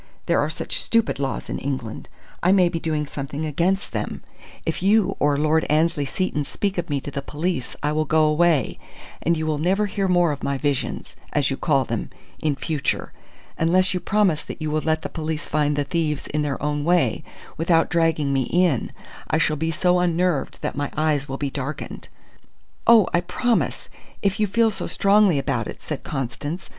There are such stupid laws in England. I may be doing something against them. If you or Lord Annesley Seton speak of me to the police I will go away, and you will never hear more of my visions as you call them in future. Unless you promise that you will let the police find the thieves in their own way, without dragging me in, I shall be so unnerved that my eyes will be darkened." "Oh, I promise, if you feel so strongly about it," said Constance.